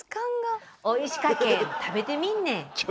おいしかけん食べてみんね。